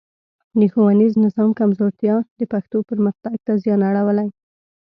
د ښوونیز نظام کمزورتیا د پښتو پرمختګ ته زیان اړولی.